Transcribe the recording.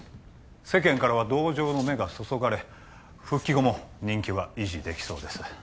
世間からは同情の目が注がれ復帰後も人気は維持できそうです